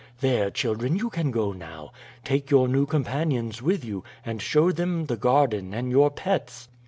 There, children, you can go now. Take your new companions with you, and show them the garden and your pets."